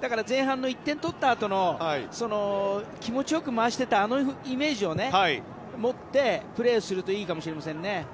だから前半、１点取ったあとの気持ち良く回していたイメージを持ってプレーするといいかもしれませんね。